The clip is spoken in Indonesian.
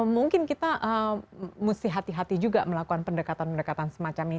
mungkin kita mesti hati hati juga melakukan pendekatan pendekatan semacam ini